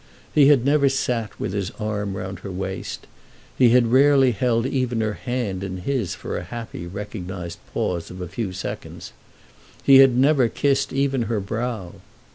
He had never sat with his arm round her waist. He had rarely held even her hand in his for a happy recognised pause of a few seconds. He had never kissed even her brow.